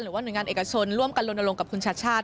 หรือว่าหน่วยงานเอกทศนร่วมกันลงกับคุณชัด